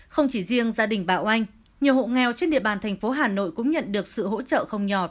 không chỉ riêng gia đình bảo anh nhiều hộ nghèo trên địa bàn thành phố hà nội cũng nhận được sự hỗ trợ không nhỏ